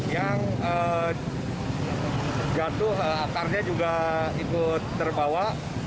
yang jatuh akarnya juga ikut terbawa